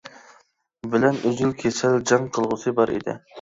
بىلەن ئۈزۈل-كېسىل جەڭ قىلغۇسى بار ئىدى.